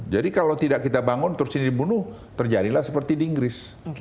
jadi kalau tidak kita bangun terus ini dibunuh terjadilah seperti di inggris